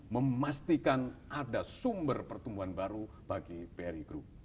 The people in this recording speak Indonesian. memastikan ada sumber pertumbuhan baru bagi bri group